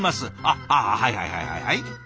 あっはいはいはいはいはい。